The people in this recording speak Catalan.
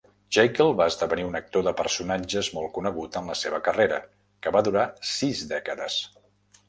Jaeckel va esdevenir un actor de personatges molt conegut en la seva carrera, que va durar sis dècades.